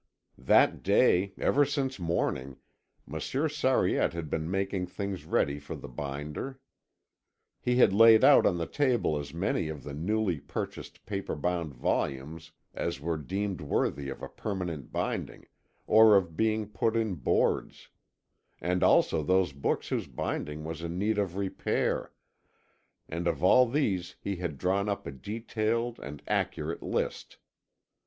That day, ever since morning, Monsieur Sariette had been making things ready for the binder. He had laid out on the table as many of the newly purchased paper bound volumes as were deemed worthy of a permanent binding or of being put in boards, and also those books whose binding was in need of repair, and of all these he had drawn up a detailed and accurate list.